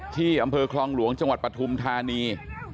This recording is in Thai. ที่อำเภอคลองหลวงจังหวัดปฐุมธานี